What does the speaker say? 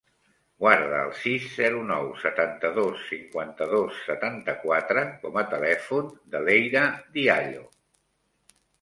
Guarda el sis, zero, nou, setanta-dos, cinquanta-dos, setanta-quatre com a telèfon de l'Eyra Diallo.